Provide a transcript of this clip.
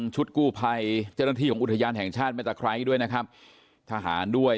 ชุดกู้ภัยเจ้าหน้าที่ของอุทยานแห่งชาติแม่ตะไคร้ด้วยนะครับทหารด้วย